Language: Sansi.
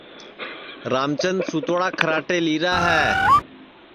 رام چند سُوتوڑا کھرڑاٹے لیرا ہے